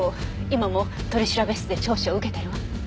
今も取調室で調書を受けてるわ。